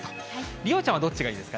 梨央ちゃんはどっちがいいですか